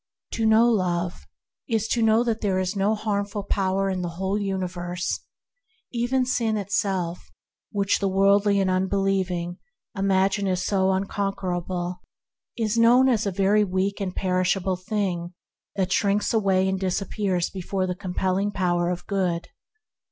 To know Love is to know that there is no harmful power in the whole universe. Even sin itself, which the worldly and unbelieving imagine to be so unconquerable, is known as a weak and perishable 132 THE HEAVENLY LIFE thing, that shrinks and disappears before the compelling power of Good.